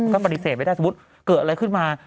ก็ปฏิเสธไม่ได้สมมุติเกิดอะไรขึ้นมา